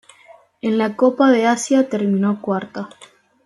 En la Copa de Asia terminó cuarta.